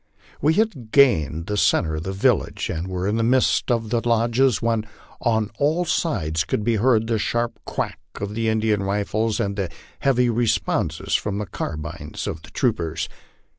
We had gained the centre of the village, and were in the midst of the lodges, while on all sides could be heard the sharp crack of the Indian rifles and the heavy responses from the carbines of the troopers.